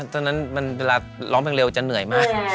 ตอนนั้นเวลาร้องเพลงเร็วจะเหนื่อยมาก